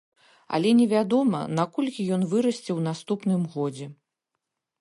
Але невядома, на колькі ён вырасце ў наступным годзе.